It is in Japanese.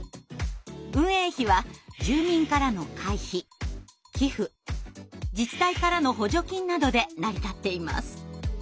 運営費は住民からの会費・寄付自治体からの補助金などで成り立っています。